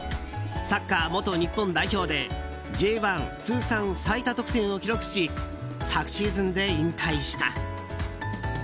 サッカー元日本代表でＪ１通算最多得点を記録し昨シーズンで引退した。